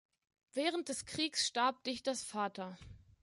Während des Krieges starb Dichters Vater.